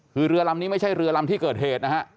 คือเรือลำนี้ไม่ใช่เรือลำที่เกิดเหตุนะฮะ